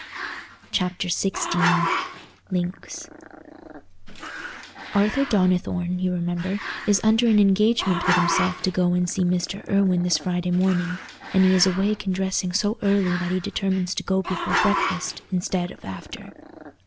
Chapter XVI Links Arthur Donnithorne, you remember, is under an engagement with himself to go and see Mr. Irwine this Friday morning, and he is awake and dressing so early that he determines to go before breakfast, instead of after.